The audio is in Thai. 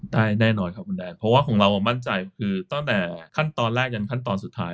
แน่นอนครับคุณแดนเพราะว่าของเรามั่นใจคือตั้งแต่ขั้นตอนแรกยันขั้นตอนสุดท้าย